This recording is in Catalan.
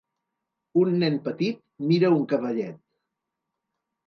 Un nen petit mira un cavallet.